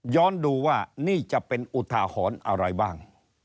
ย้อนดูว่านี่จะเป็นอุทหาหอนอะไรบ้าง